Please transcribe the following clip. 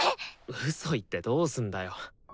ウソ言ってどうすんだよ。